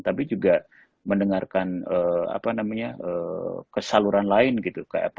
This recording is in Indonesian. tapi juga mendengarkan kesaluran lain gitu